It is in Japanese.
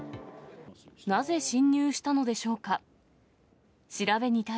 なぜ侵入したのでしょうか。